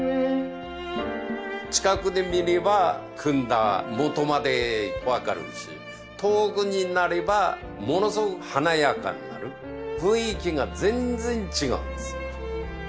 近くで見れば組んだもとまでわかるし遠くになればものすごく華やかになる雰囲気が全然違うんです